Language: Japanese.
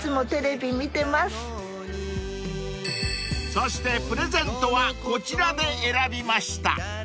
［そしてプレゼントはこちらで選びました］